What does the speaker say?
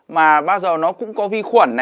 mà bao giờ nó cũng có vi khuẩn